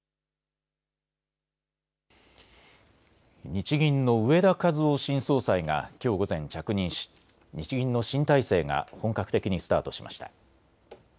日銀の植田和男新総裁がきょう午前、着任し日銀の新体制が本格的にスタートしました。